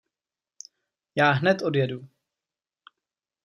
Já hned odjedu.